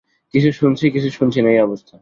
কিছু শুনছি, কিছু শুনছি না এই অবস্থা।